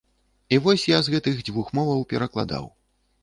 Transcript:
І вось я з гэтых дзвюх моваў перакладаў.